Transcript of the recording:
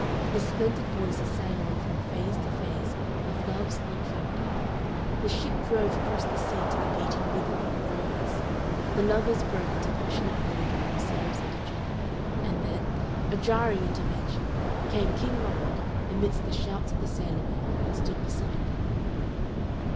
The splendid voices sang on from phase to phase of love's unfolding, the ship drove across the sea to the beating rhythm of the rowers. The lovers broke into passionate knowledge of themselves and each other, and then, a jarring intervention, came King Mark amidst the shouts of the sailormen, and stood beside them.